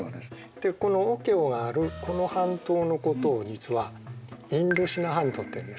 でこのオケオがあるこの半島のことを実はインドシナ半島っていうんですね。